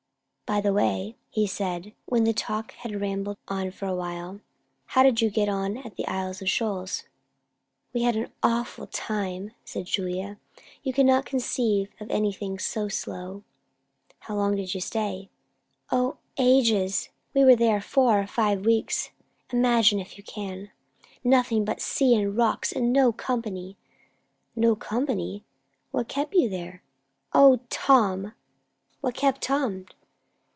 "By the way," said he, when the talk had rambled on for a while, "how did you get on at the Isles of Shoals?" "We had an awful time," said Julia. "You cannot conceive of anything so slow." "How long did you stay?" "O, ages! We were there four or five weeks. Imagine, if you can. Nothing but sea and rocks, and no company!" "No company! What kept you there?" "O, Tom!" "What kept Tom?"